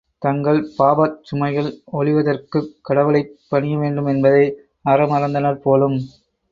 தங்கள் பாபச் சுமைகள் ஒழிவதற்குக் கடவுளைப் பணிய வேண்டும் என்பதை அற மறந்தனர் போலும்.